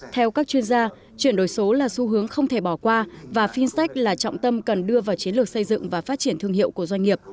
theo các chuyên gia chuyển đổi số là xu hướng không thể bỏ qua và fintech là trọng tâm cần đưa vào chiến lược xây dựng và phát triển thương hiệu của doanh nghiệp